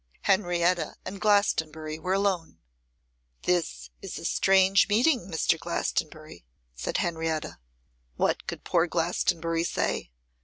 Henrietta and Glastonbury were alone. 'This is a strange meeting, Mr. Glastonbury,' said Henrietta. What could poor Glastonbury say?